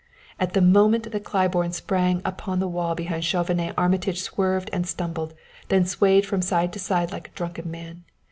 At the moment that Claiborne sprang upon the wall behind Chauvenet Armitage swerved and stumbled, then swayed from side to side like a drunken man.